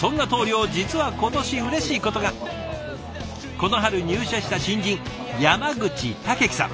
この春入社した新人山口剛生さん。